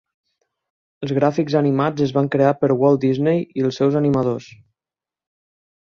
Els gràfics animats es van crear per Walt Disney i els seus animadors.